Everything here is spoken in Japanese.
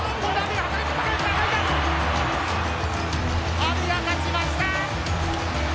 阿炎が勝ちました！